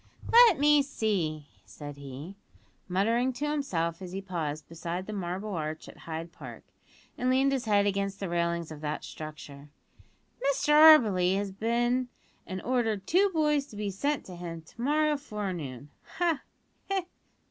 "Let me see," said he, muttering to himself as he paused beside the Marble Arch at Hyde Park, and leaned his head against the railings of that structure; "Mr Auberly has been an' ordered two boys to be sent to him to morrow forenoon ha! he!